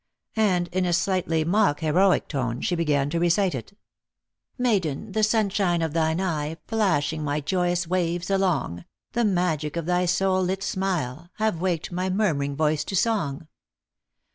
And, in a slightly mock heroic tone, she began to recite it : Maiden, the sunshine of thine eye, Flashing my joyous waves along, The magic of thy soul lit smile, Have waked my murmuring voice to song.